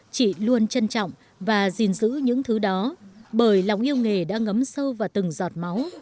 chị luôn trân trọng và gìn giữ những thứ đó bởi lòng yêu nghề đã ngấm sâu vào từng giọt máu